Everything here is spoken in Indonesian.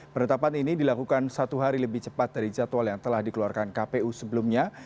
penetapan ini dilakukan satu hari lebih cepat dari jadwal yang telah dikeluarkan kpu sebelumnya